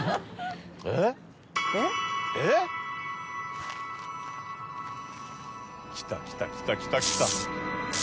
えぇ？えっ！きたきたきたきたきた！